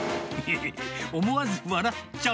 思わず笑っちゃう。